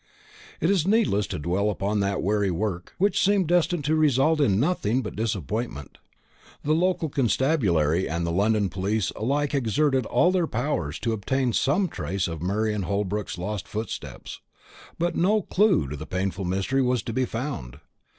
It is needless to dwell upon that weary work, which seemed destined to result in nothing but disappointment. The local constabulary and the London police alike exerted all their powers to obtain some trace of Marian Holbrook's lost footsteps; but no clue to the painful mystery was to be found.